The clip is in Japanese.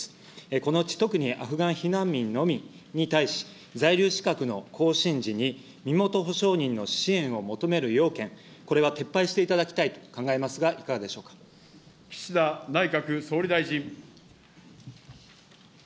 このうち特にアフガン避難民のみに対し、在留資格の更新時に身元保証人の支援を求める要件、これは撤廃していただきたいと考えま岸田内閣総理大臣。